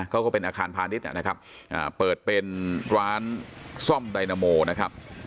ก็เป็นอาคารพาณิชย์นะครับเปิดเป็นร้านซ่อมไดนาโมนะครับ